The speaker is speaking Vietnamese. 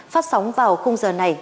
phát sóng vào khung giờ này